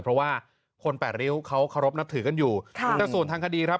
เพราะว่าคนแปดริ้วเขาเคารพนับถือกันอยู่ค่ะแต่ส่วนทางคดีครับ